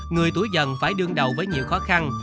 người tuổi dần phải đương đầu với nhiều khó khăn